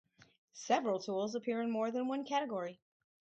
Several tools appear in more than one category.